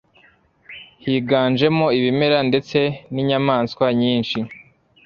Higanjemo ibimera ndetse n'inyamasw nyinshi.